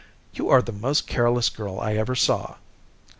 "You are the most careless girl I ever saw."